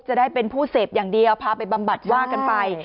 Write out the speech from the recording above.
จะได้เป็นผู้เสพอย่างเดียวพาไปบำบัดว่ากันไป